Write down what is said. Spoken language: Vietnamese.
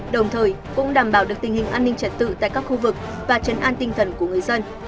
đồng thời cũng đảm bảo được tình hình an ninh trật tự tại các khu vực và chấn an tinh thần của người dân